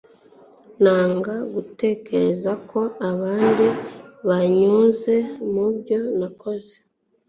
nanga gutekereza ko abandi banyuze mubyo nakoze